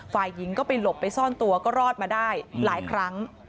ฝ่ายหญิงก็ไปหลบไปซ่อนตัวก็รอดมาได้หลายครั้ง